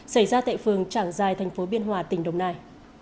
xảy ra tại phường trảng giai tp biên hòa tỉnh đồng nai